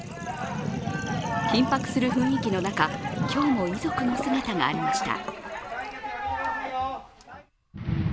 緊迫する雰囲気の中、今日も遺族の姿がありました。